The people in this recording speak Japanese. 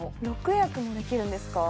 ６役もできるんですか？